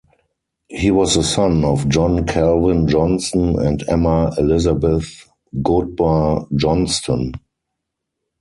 He was the son of John Calvin Johnston and Emma Elizabeth (Goodbar) Johnston.